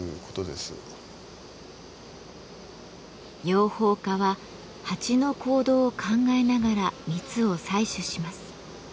養蜂家はハチの行動を考えながら蜜を採取します。